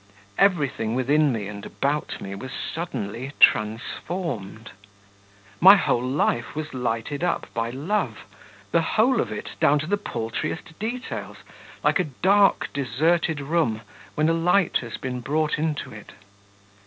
Everything within me and about me was suddenly transformed! My whole life was lighted up by love, the whole of it, down to the paltriest details, like a dark, deserted room when a light has been brought into it.